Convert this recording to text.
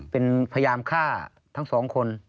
เป็นพยายามฆ่าทั้งสองคน